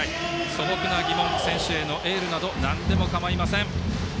素朴な疑問、選手へのエールなどなんでも構いません。